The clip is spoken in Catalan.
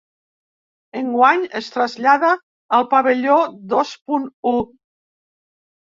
Enguany es trasllada al pavelló dos punt u.